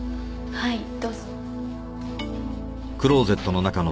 はいどうぞ。